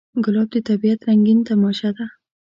ګلاب د طبیعت رنګین تماشه ده.